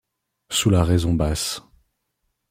Sous la raison basse